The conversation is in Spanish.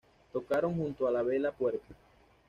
Tocaron junto a La Vela Puerca.